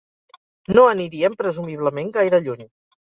No aniríem presumiblement gaire lluny.